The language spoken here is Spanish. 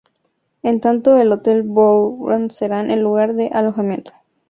En tanto el hotel Bourbon será el lugar de alojamiento.